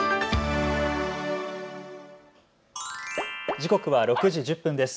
時刻は６時１０分です。